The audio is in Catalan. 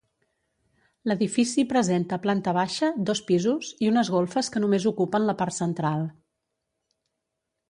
L'edifici presenta planta baixa, dos pisos i unes golfes que només ocupen la part central.